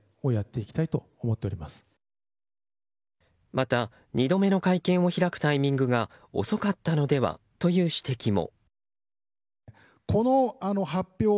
また、２度目の会見を開くタイミングが遅かったのではという指摘も。